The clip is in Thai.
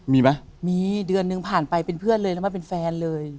มีไหมมีเดือนหนึ่งผ่านไปเป็นเพื่อนเลยแล้วมาเป็นแฟนเลย